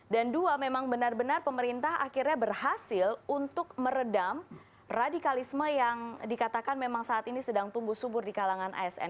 dan dua memang benar benar pemerintah akhirnya berhasil untuk meredam radikalisme yang dikatakan memang saat ini sedang tumbuh subur di kalangan asn